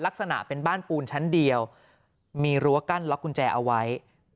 ลักษณะเป็นบ้านปูนชั้นเดียวมีรั้วกั้นล็อกกุญแจเอาไว้